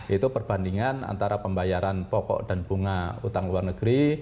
itu perbandingan antara pembayaran pokok dan bunga utang luar negeri